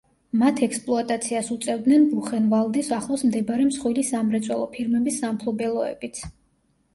მათ ექსპლუატაციას უწევდნენ ბუხენვალდის ახლოს მდებარე მსხვილი სამრეწველო ფირმების სამფლობელოებიც.